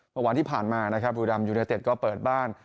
วันที่ผ่านมานะครับบุรีรัมยูเนเต็ดก็เปิดบ้าน